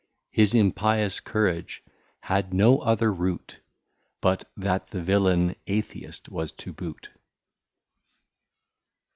His Impious Courage had no other Root, But that the Villaine, Atheist was to boot.